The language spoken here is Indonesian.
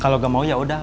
kalau gak mau ya udah